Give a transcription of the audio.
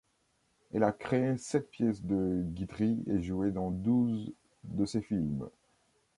Elle a créé sept pièces de Guitry et joué dans douze de ses films.